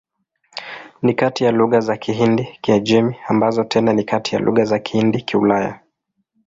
Ni kati ya lugha za Kihindi-Kiajemi, ambazo tena ni kati ya lugha za Kihindi-Kiulaya.